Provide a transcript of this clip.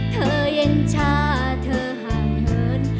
เธอเย็นชาเธอห่างเหิน